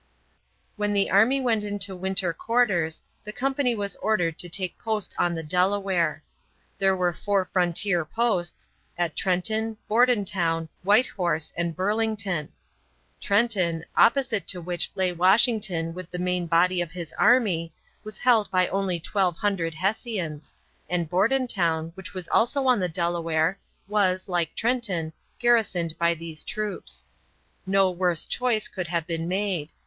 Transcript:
When the army went into winter quarters the company was ordered to take post on the Delaware. There were four frontier posts, at Trenton, Bordentown, White Horse, and Burlington. Trenton, opposite to which lay Washington with the main body of his army, was held by only 1200 Hessians, and Bordentown, which was also on the Delaware, was, like Trenton, garrisoned by these troops. No worse choice could have been made.